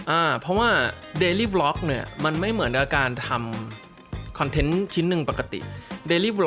อ่าเพราะว่าเนี้ยมันไม่เหมือนกับการทำชิ้นหนึ่งปกติเนี้ย